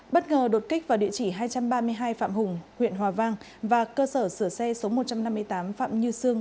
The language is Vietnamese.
bất ngờ đột kích vào địa chỉ hai trăm ba mươi hai phạm hùng huyện hòa vang và cơ sở sửa xe số một trăm năm mươi tám phạm như sương